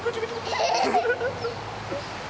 ハハハハ！